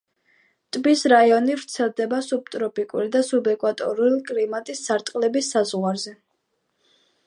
ტბის რაიონი ვრცელდება სუბტროპიკული და სუბეკვატორული კლიმატის სარტყლების საზღვარზე.